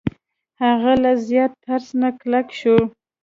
هغه له زیات ترس نه کلک شو.